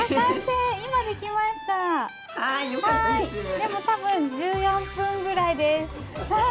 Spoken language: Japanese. でも多分１４分ぐらいです。